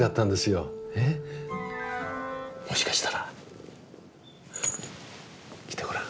もしかしたら来てごらん。